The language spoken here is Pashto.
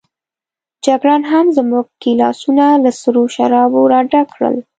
جګړن هم زموږ ګیلاسونه له سرو شرابو راډک کړل.